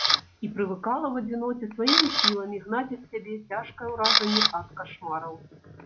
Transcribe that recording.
І прывыкала ў адзіноце сваімі сіламі гнаць ад сябе цяжкае ўражанне ад кашмараў.